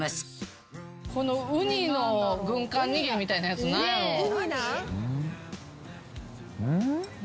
このウニの軍艦にぎりみたいなやつ何やろ？